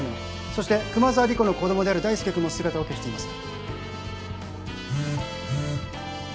そして熊沢理子の子どもである大輔君も姿を消しています。